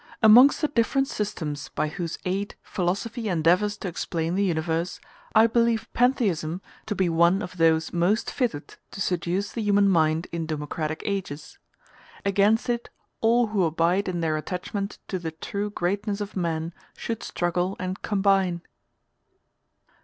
Amongst the different systems by whose aid philosophy endeavors to explain the universe, I believe pantheism to be one of those most fitted to seduce the human mind in democratic ages. Against it all who abide in their attachment to the true greatness of man should struggle and combine.